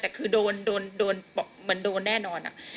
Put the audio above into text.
แต่คือโดนเหมือนโดนแน่นอน